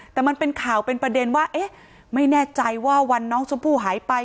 แต่มันเป็นข่าวเป็นประเด็นว่าเอ๊ะไม่แน่ใจว่าวันน้องชมพู่หายไป